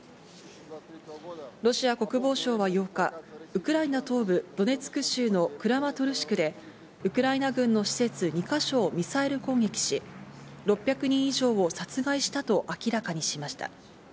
ロシア国防省は８日、ウクライナ東部ドネツク州のクラマトルシクで、ウクライナ軍の施設２か所をミサイル攻撃し、６００人以上を殺害したと明らかにしました。